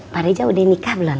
pak reza udah nikah belum